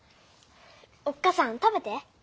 おっ母さん食べて。